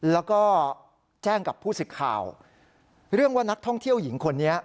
แล้วก็แจ้งกับผู้สิทธิ์ข่าวเรื่องว่านักท่องเที่ยวหญิงคนนี้